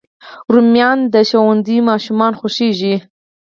رومیان د ښوونځي ماشومانو خوښېږي